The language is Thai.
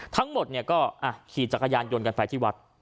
ทั้งหมดเนี่ยก็ขี่จักรยานยนต์กันไปที่วัด